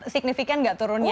signifikan tidak turunnya